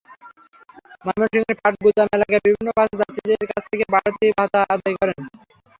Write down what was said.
ময়মনসিংহের পাটগুদাম এলাকায় বিভিন্ন বাসে যাত্রীদের কাছ থেকে বাড়তি ভাড়া আদায় করা হচ্ছে।